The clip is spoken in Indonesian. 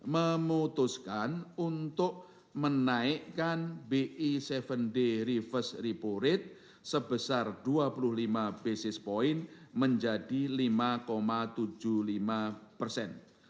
memutuskan untuk menaikkan bi tujuh day reverse repo rate sebesar dua puluh lima basis point menjadi lima tujuh puluh lima persen